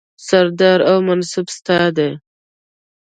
سرداري او منصب ستا دی